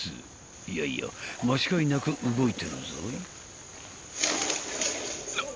いやいや間違いなく動いてるぞい